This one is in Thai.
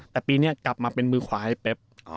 แต่ปีนี้กลับมาเป็นมือขวาให้เป๊บ